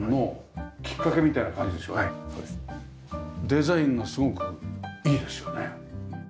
デザインがすごくいいですよね。